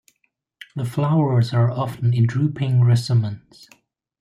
The flowers are often in drooping racemes.